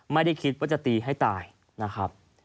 ไม่ได้คิดว่าจะตีให้ตายนะครับ